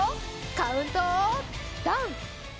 カウントダウン！